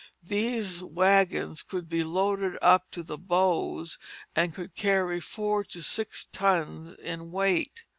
These wagons could be loaded up to the bows, and could carry four to six tons in weight.